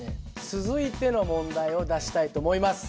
続いての問題を出したいと思います。